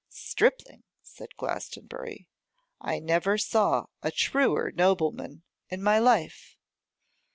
'Stripling!' said Glastonbury. 'I never saw a truer nobleman in my life.